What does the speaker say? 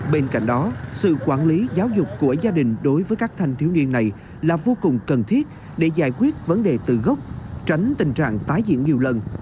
bên cạnh đó sự quản lý giáo dục của gia đình đối với các thanh thiếu niên này là vô cùng cần thiết để giải quyết vấn đề từ gốc tránh tình trạng tái diễn nhiều lần